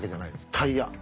タイヤ。